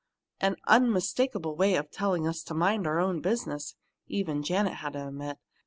"An unmistakable way of telling us to mind our own business!" even Janet had to admit.